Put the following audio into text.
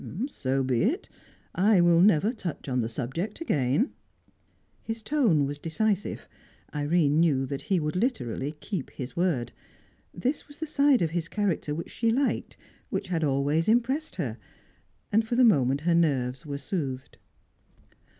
"So be it. I will never touch on the subject again." His tone was decisive. Irene knew that he would literally keep his word. This was the side of his character which she liked, which had always impressed her; and for the moment her nerves were soothed.